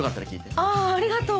あありがとう。